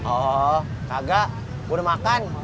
oh kagak gue udah makan